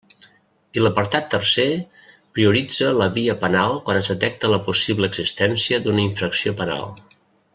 I l'apartat tercer prioritza la via penal quan es detecta la possible existència d'una infracció penal.